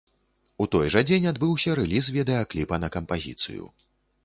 У той жа дзень адбыўся рэліз відэакліпа на кампазіцыю.